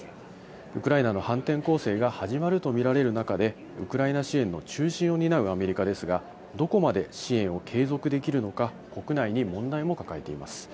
ウクライナの反転攻勢が始まると見られる中で、ウクライナ支援の中心を担うアメリカですが、どこまで支援を継続できるのか、国内に問題も抱えています。